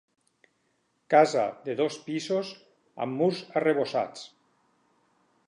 Casa de dos pisos amb murs arrebossats.